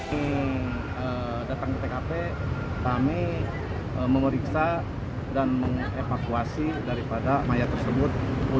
di datang ke tkp kami memeriksa dan mengevakuasi daripada mayat tersebut